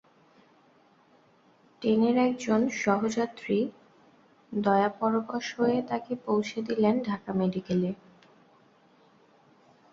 টেনের একজন সহযাত্রী দয়াপরবশ হয়ে তাঁকে পৌঁছে দিলেন ঢাকা মেডিকেলে।